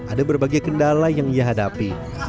ada berbagai kendala yang ia hadapi